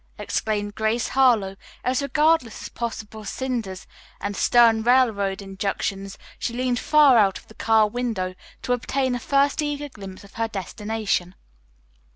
exclaimed Grace Harlowe, as, regardless of possible cinders and stern railroad injunctions, she leaned far out of the car window to obtain a first eager glimpse of her destination.